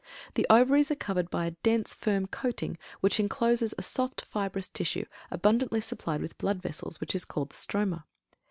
The Ovaries are covered by a dense, firm coating which encloses a soft fibrous tissue, abundantly supplied with blood vessels, which is called the stroma.